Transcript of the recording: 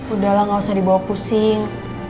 udahlah gak usah dibawa pusing